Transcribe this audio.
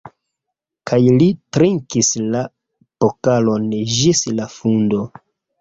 Kaj li trinkis la pokalon ĝis la fundo.